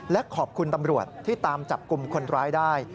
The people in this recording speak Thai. และขอบคุณตำรวจที่ตามจับกลุ่มคนร้ายได้